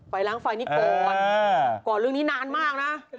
ล้างไฟนี่ก่อนก่อนเรื่องนี้นานมากนะ